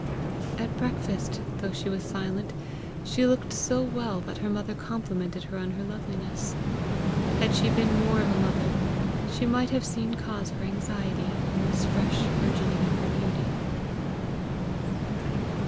At breakfast, though she was silent, she looked so well that her mother complimented her on her loveliness. Had she been more of a mother, she might have seen cause for anxiety in this fresh bourgeoning of her beauty.